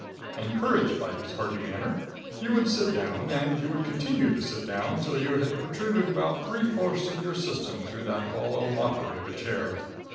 Encouraged by his hearty manner, you would sit down, and you would continue to sit down till you had protruded about three fourths of your system through that hollow mockery of a chair.